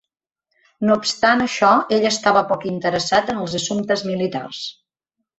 No obstant això, ell estava poc interessat en els assumptes militars.